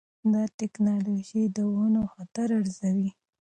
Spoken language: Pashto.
دا ټکنالوجي د ونو خطر ارزوي.